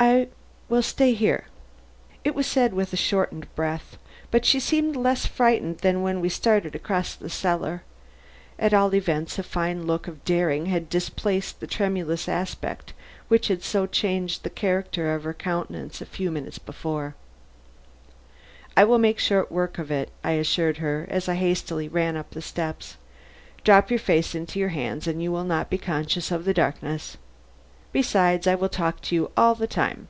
"I will stay here." It was said with shortened breath; but she seemed less frightened than when we started to cross the cellar. At all events a fine look of daring had displaced the tremulous aspect which had so changed the character of her countenance a few minutes before. "I will make short work of it," I assured her as I hastily ran up the steps. "Drop your face into your hands and you will not be conscious of the darkness. Besides, I will talk to you all the time.